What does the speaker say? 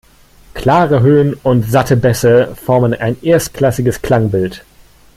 Klare Höhen und satte Bässe formen ein erstklassiges Klangbild.